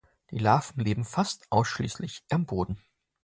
Die Larven leben fast ausschließlich am Boden.